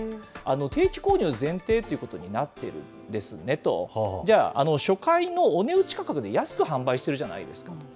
定期購入前提ということになっているんですねと、じゃあ、初回のお値打ち価格で安く販売してるじゃないですかと。